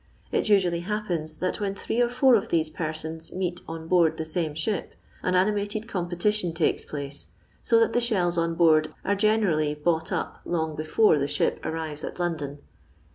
It usually happens that when . three or four of these persons meet on board the same ship, an animated competition takes place, so that the shells on board are generally bought up long before the ship arrives at London.